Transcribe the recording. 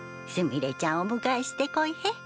すみれちゃんお迎えしてこいへ。